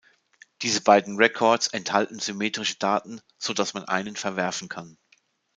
Diese beiden Records enthalten symmetrische Daten, so dass man einen verwerfen kann.